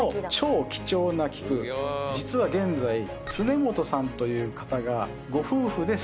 実は現在常本さんという方が。